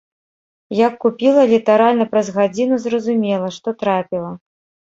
Як купіла, літаральна праз гадзіну зразумела, што трапіла.